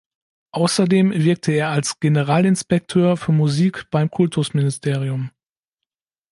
Außerdem wirkte er als Generalinspekteur für Musik beim Kultusministerium.